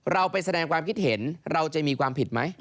เราไปแสดงความคิดเห็นเราจะมีความผิดไหม